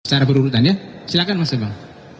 secara berurutan ya silahkan mas ebang